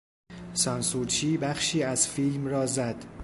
سانسورچی بخشی از فیلم را زد.